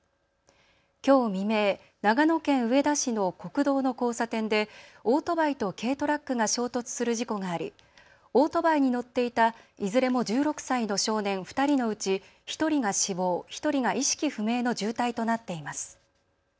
きょう未明、長野県上田市の国道の交差点でオートバイと軽トラックが衝突する事故がありオートバイに乗っていたいずれも１６歳の少年２人のうち１人が死亡、１人が意識不明の重体となっています。